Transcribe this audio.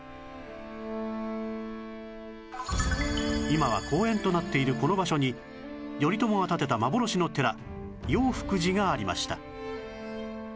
今は公園となっているこの場所に頼朝が建てた幻の寺永福寺がありました